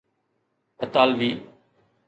اطالوي